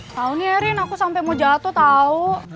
tau nih erin aku sampe mau jatuh tau